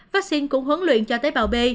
vaccine cũng huấn luyện cho tế bào b